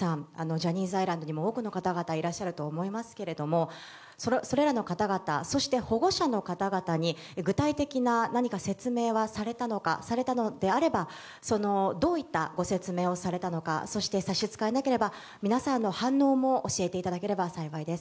ジャニーズアイランドにも多くの方々がいらっしゃると思いますがそれらの方々そして保護者の方々に何か具体的な説明はされたのかされたのであればどういったご説明をされたのかそして、差し支えなければ皆さんの反応も教えていただければ幸いです。